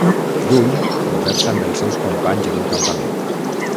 Lluny, conversa amb els seus companys en un campament.